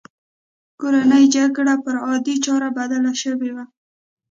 کورنۍ جګړه پر عادي چاره بدله شوې وه.